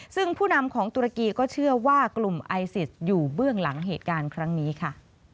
ซึ่งผู้นำของตุรกีก็เชื่อว่ากลุ่มไอซิสอยู่เบื้องหลังเหตุการณ์ครั้งนี้ค่ะ